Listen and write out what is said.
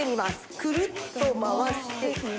くるっと回して上下。